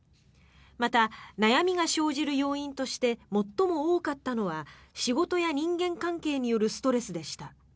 また、悩みが生じる要因として最も多かったのは仕事や人間関係によるストレスでした。